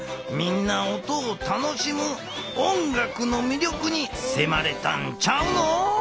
みんな音を楽しむ音楽のみりょくにせまれたんちゃうの？